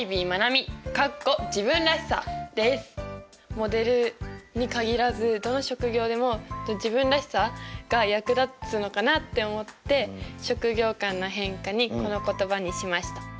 モデルに限らずどの職業でも自分らしさが役立つのかなって思って職業観の変化にこの言葉にしました。